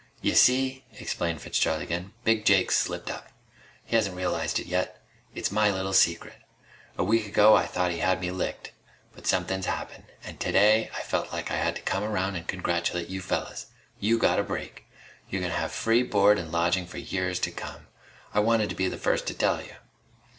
"Y'see," explained Fitzgerald again, "Big Jake's slipped up. He hasn't realized it yet. Its my little secret. A week ago I thought he had me licked. But somethin' happened, and today I felt like I had to come around and congratulate you fellas. You got a break! You're gonna have free board and lodging for years to come! I wanted to be the first to tell you!"